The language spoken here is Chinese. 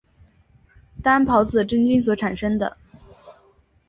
担孢子的真菌所产生的。